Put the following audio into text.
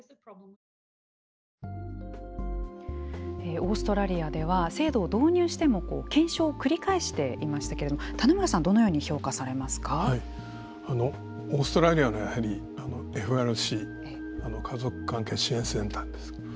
オーストラリアでは制度を導入しても検証を繰り返していましたけれど棚村さんオーストラリアのやはりＦＲＣ家族関係支援センターです。